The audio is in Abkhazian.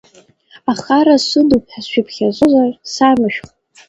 Ахара сыдуп ҳәа сшәыԥхьазозар самышәх.